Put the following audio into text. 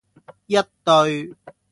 一對